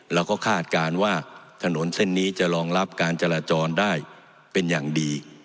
คาดการณ์ว่าถนนเส้นนี้จะรองรับการจราจรได้เป็นอย่างดี